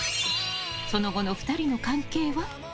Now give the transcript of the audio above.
その後の２人の関係は？